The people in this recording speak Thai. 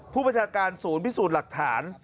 ผู้บัญชาการศูนย์พิสูจน์หลักฐาน